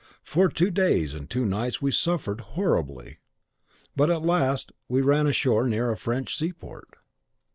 For two days and two nights we suffered horribly; but at last we ran ashore near a French seaport.